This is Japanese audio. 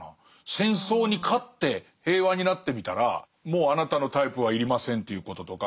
戦争に勝って平和になってみたらもうあなたのタイプは要りませんということとか。